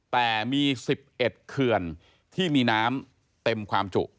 แต่มี๑๑เขื่อนที่มีน้ำเต็มความจุ